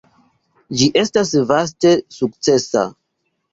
Ĝi estas vaste sukcesa.